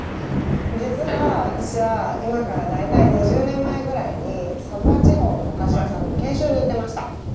実は私は今から大体２０年前ぐらいにサヴォワ地方のお菓子屋さんに研修に行ってました。